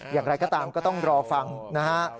อย่างไรก็ตามก็ต้องรอฟังนะฮะ